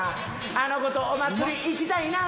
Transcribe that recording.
あの子とお祭り行きたいな。